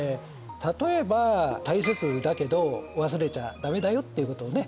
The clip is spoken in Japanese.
例えば大切だけど忘れちゃダメだよっていうことをね